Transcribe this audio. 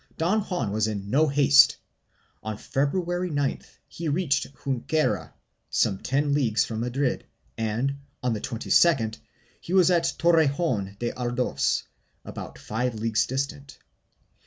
Don Juan was in no haste ; on February 9th he reached Junquera, some ten leagues from Madrid and, on the 22d, he was at Torrejon de Ardoz, about five leagues distant.